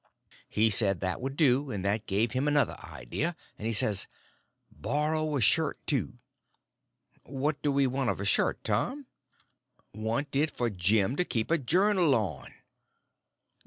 He said that would do. And that gave him another idea, and he says: "Borrow a shirt, too." "What do we want of a shirt, Tom?" "Want it for Jim to keep a journal on."